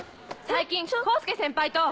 最近功介先輩と！